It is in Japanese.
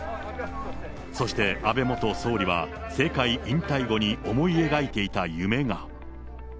そして、安倍元総理は政界引退後に思い描いていた夢が。